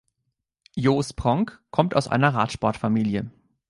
Jos Pronk kommt aus einer Radsport-Familie.